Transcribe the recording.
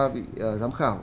ba vị giám khảo